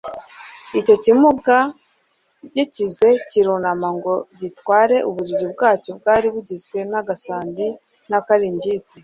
Icyo kimuga gikize kirunama ngo gitware uburiri bwacyo bwari bugizwe n'agasambi n'akaringiti,